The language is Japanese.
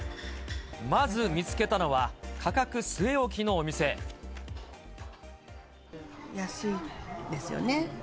まず見つけたのは、安いですよね。